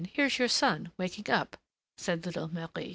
here's your son waking up," said little Marie.